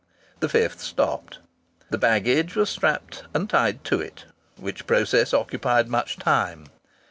The fifth stopped. The baggage was strapped and tied to it: which process occupied much time.